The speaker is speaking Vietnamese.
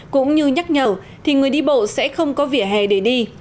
cũng như nhắc nhở thì người đi bộ sẽ không có vỉa hè để đi